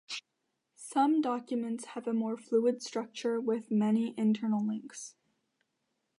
Some documents have a more fluid structure with many internal links.